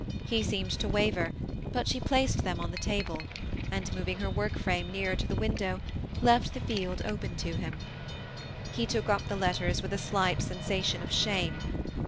He seemed to waver, but she placed them on the table, and moving her work frame nearer to the window^ lefl the field open to hhxk. He took up the letters with a slight sensation of shame.